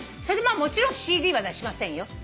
それでもちろんＣＤは出しませんよ